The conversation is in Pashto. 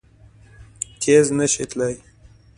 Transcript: تېز نه شي تلای!